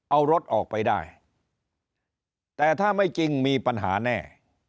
เอารถออกไปได้แต่ถ้าไม่จริงมีปัญหาแน่